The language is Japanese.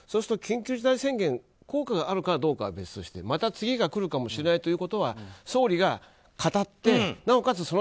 緊急事態宣言の効果があるかどうかは別としてまた次が来るかもしれないということは総理が語ってなおかつ